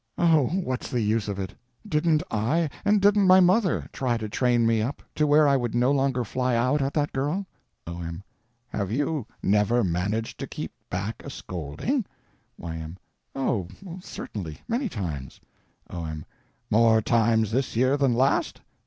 Oh, what's the use of it? Didn't I, and didn't my mother try to train me up to where I would no longer fly out at that girl? O.M. Have you never managed to keep back a scolding? Y.M. Oh, certainly—many times. O.M. More times this year than last?